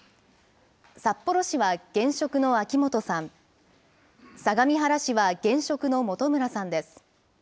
札幌市は現職の秋元さん、相模原市は現職の本村さんです。